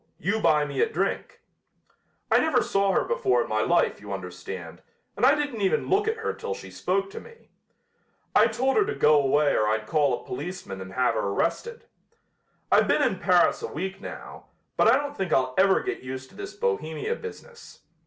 You buy me a drink.' I never saw her before in my life, you understand, and I didn't even look at her till she spoke to me. I told her to go away or I'd call a policeman and have her arrested. I've been in Paris a week now, but I don't think I'll ever get used to this Bohemia business.